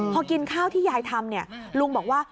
พอกินข้าวที่ยายทำเนี่ยลุงบอกว่า